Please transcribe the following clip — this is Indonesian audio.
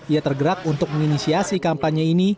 ia tergerak untuk menginisiasi kampanye ini